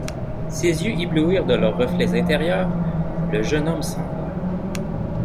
Ses yeux éblouirent de leurs reflets intérieurs le jeune homme sans voix.